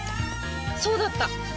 そうだった！